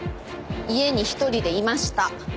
家に一人でいました。